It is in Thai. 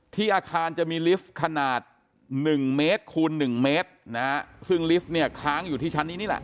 ที่อาคารจะมีลิฟต์ขนาด๑เมตรคูณ๑เมตรซึ่งลิฟต์เนี่ยค้างอยู่ที่ชั้นนี้แหละ